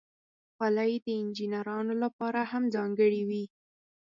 خولۍ د انجینرانو لپاره هم ځانګړې وي.